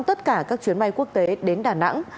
tất cả các chuyến bay quốc tế đến đà nẵng